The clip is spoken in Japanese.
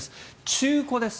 中古です。